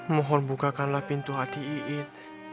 mohon bukakanlah pintu hati iin